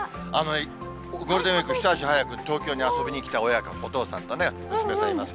ゴールデンウィーク、一足早く東京に遊びに来た親子、お父さんとね、娘さんいます。